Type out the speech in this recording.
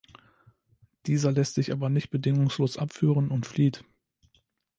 Dieser lässt sich aber nicht bedingungslos abführen und flieht.